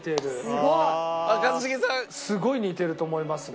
すごい似てると思いますね。